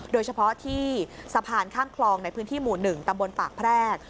โดยเฉพาะที่สะพานข้ามคลองในพื้นที่หมู่๑ตำบลปากแพรก